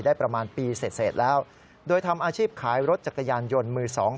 ประมาณปีเสร็จเสร็จแล้วโดยทำอาชีพขายรถจักรยานยนต์มือสอง